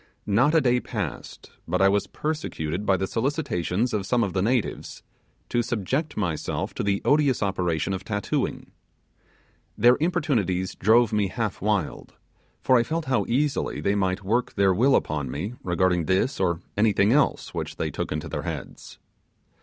Not a day passed but I was persecuted by the solicitations of some of the natives to subject myself to the odious operation of tattooing. Their importunities drove me half wild, for I felt how easily they might work their will upon me regarding this or anything else which they took into their heads.